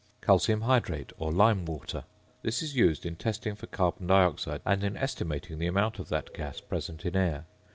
~Calcium Hydrate~ or ~"Lime Water."~ This is used in testing for carbon dioxide and in estimating the amount of that gas present in air.